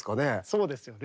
そうですよね。